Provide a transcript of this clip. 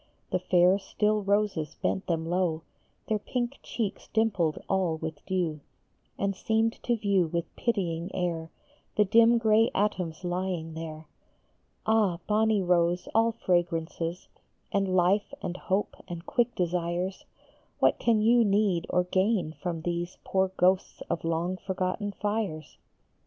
The fair, still roses bent them low, Their pink cheeks dimpled all with dew, And seemed to view with pitying air The dim gray atoms lying there. Ah, bonny rose, all fragrances, And life and hope and quick desires, What can you need or gain from these Poor ghosts of long forgotten fires ?